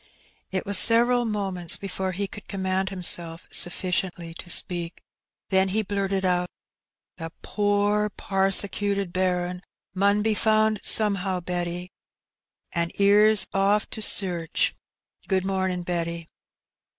It was several moments before he could com mand himself sufficiently to speak, then he blurted out — "The poor parsecuted bairn mun be found somehow, Betty, an* 'ere's off to sairch. Good momin', Betty."